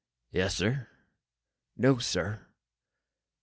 "Yes, sir." "No, sir."